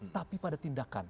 tapi pada tindakan